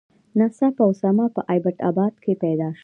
ناڅاپه اسامه په ایبټ آباد کې پیدا شو.